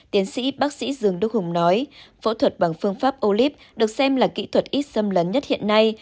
tiến sĩ bác sĩ dương đức hùng nói phẫu thuật bằng phương pháp olip được xem là kỹ thuật ít xâm lấn nhất hiện nay